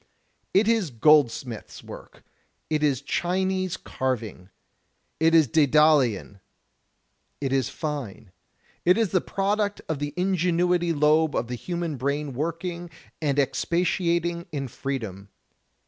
It is goldsmith's work; it is Chinese carving; it is Daedalian; it is fine. It is the product of the ingenuity lobe of the hiunan brain working and expatiating in freedom.